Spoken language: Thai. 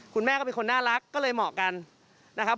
คุณแม่ก็เป็นคนน่ารักก็เลยเหมาะกันนะครับ